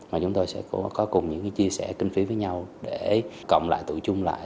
mà chúng tôi sẽ có cùng những chia sẻ kinh phí với nhau để cộng lại tụi chung lại